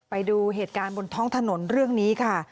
ไปดูเหตุการณ์บนท้องถนนเรื่องนี้ค่ะ